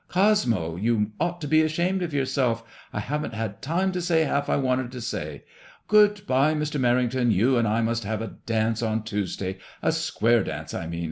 Cosmo, you ought to be ashamed of yourself, i haven't had time to say half I wanted to say. Good bye, Mr. Merrington; you and I must have a dance on Tuesday, a square dance, I mean.